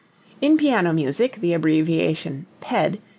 In piano music the abbreviation _Ped.